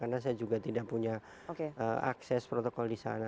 karena saya juga tidak punya akses protokol disana